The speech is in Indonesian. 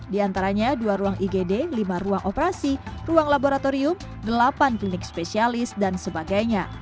di antaranya dua ruang igd lima ruang operasi ruang laboratorium delapan klinik spesialis dan sebagainya